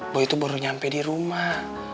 boy tuh baru nyampe di rumah